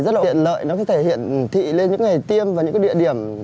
nó tiện lợi nó có thể hiện thị lên những ngày tiêm và những địa điểm